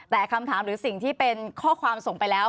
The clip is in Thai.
แต่คำถามหรือสิ่งที่เป็นข้อความส่งไปแล้ว